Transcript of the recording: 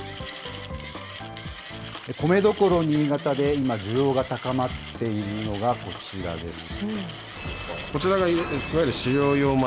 コメどころ、新潟で今需要が高まっているのがこちらです。